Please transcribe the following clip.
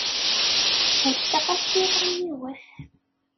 Ulseɣ-as tira i yiwet.